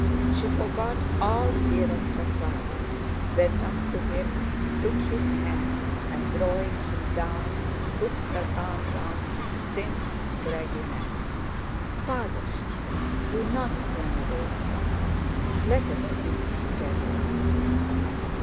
She forgot all fear of her father, went up to him, took his hand, and drawing him down put her arm round his thin, scraggy neck. "Father," she said, "do not turn away from me, let us weep together."